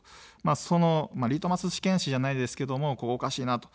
そのリトマス試験紙じゃないですけど、ここおかしいなと。